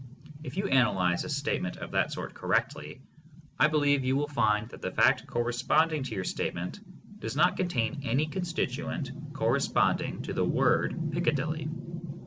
If you analyze a statement of that sort correctly, I believe you will find that the fact corresponding to your statement does not contain any constituent corresponding to the word "Picca dilly."